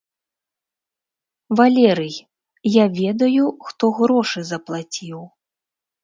Валерый, я ведаю хто грошы заплаціў.